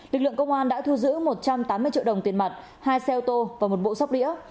lực lượng công an đã thu giữ một trăm tám mươi triệu đồng tiền mặt hai xe ô tô và một bộ sóc đĩa